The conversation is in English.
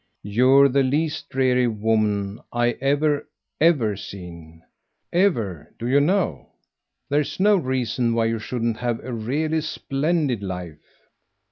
"YOU'RE the least 'dreary' woman I've ever, ever seen. Ever, do you know? There's no reason why you shouldn't have a really splendid life."